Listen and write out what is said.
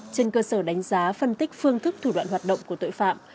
trên cơ sở đánh giá phân tích phương thức thủ đoạn hoạt động của tội phạm